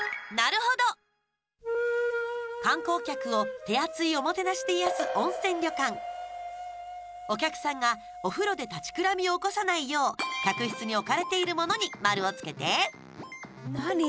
観光客を手厚いおもてなしで癒やすお客さんがお風呂で立ちくらみを起こさないよう客室に置かれているものに丸をつけて何？